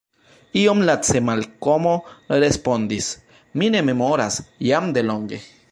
Iom lace Malkomo respondis: Mi ne memoras; jam de longe.